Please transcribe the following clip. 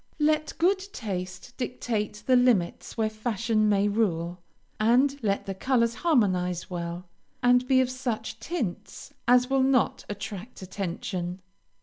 Let good taste dictate the limits where fashion may rule, and let the colors harmonize well, and be of such tints as will not attract attention.